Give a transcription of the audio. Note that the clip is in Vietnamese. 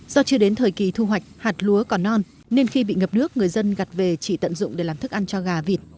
do chưa đến thời kỳ thu hoạch hạt lúa còn non nên khi bị ngập nước người dân gặt về chỉ tận dụng để làm thức ăn cho gà vịt